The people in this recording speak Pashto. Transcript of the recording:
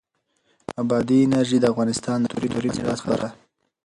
بادي انرژي د افغانستان د کلتوري میراث برخه ده.